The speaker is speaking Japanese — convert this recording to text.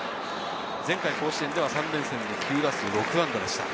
前回甲子園では３連戦で９打数６安打でした。